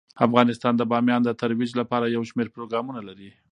افغانستان د بامیان د ترویج لپاره یو شمیر پروګرامونه لري.